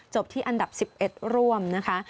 ที่อันดับ๑๑ร่วมนะคะ